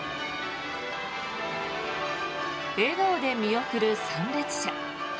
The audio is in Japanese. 笑顔で見送る参列者。